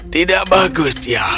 tidak bagus ya